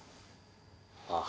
ああ。